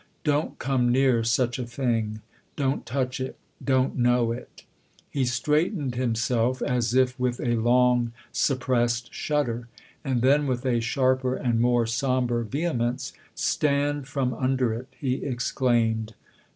" Don't come near such a thing ; don't touch it ; don't know it !" He straightened himself as if with a long, suppressed shudder ; and then with a sharper and more sombre vehemence, " Stand from under it !" he exclaimed.